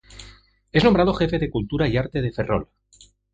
Es nombrado jefe de cultura y arte de Ferrol.